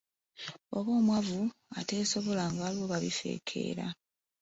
"Bw’oba omwavu ateesobola, nga waliwo ba bifeekeera."